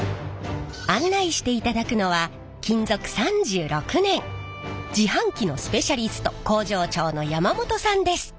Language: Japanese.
案内していただくのは勤続３６年自販機のスペシャリスト工場長の山本さんです。